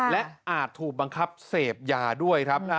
และอาจถูกบังคับเสพยาด้วยครับ